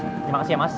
terima kasih ya mas